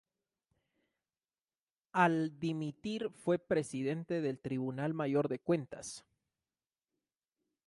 Al dimitir fue Presidente del Tribunal Mayor de Cuentas.